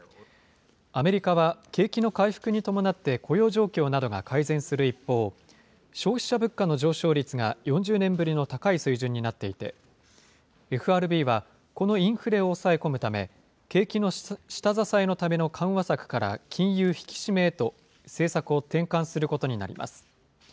アメリカは景気の回復に伴って雇用状況などが改善する一方、消費者物価の上昇率が４０年ぶりの高い水準になっていてＦＲＢはこのインフレを抑え込むため景気の下支えのための緩和策から金融引き締めへと政策を転換することになります。